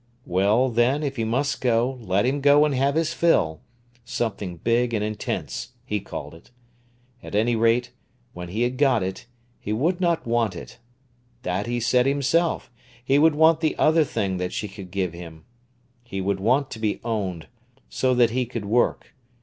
Well, then, if he must go, let him go and have his fill—something big and intense, he called it. At any rate, when he had got it, he would not want it—that he said himself; he would want the other thing that she could give him. He would want to be owned, so that he could work.